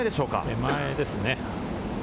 手前ですね。